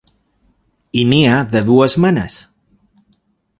I n’hi ha de dues menes.